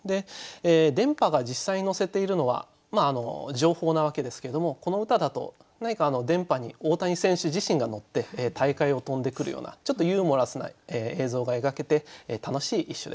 電波が実際に乗せているのは情報なわけですけどもこの歌だと何か電波に大谷選手自身が乗って大海を飛んでくるようなちょっとユーモラスな映像が描けて楽しい一首です。